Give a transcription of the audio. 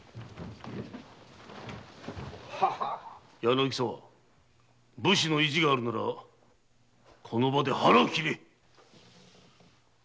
柳沢武士の意地があるならこの場で腹を切れ！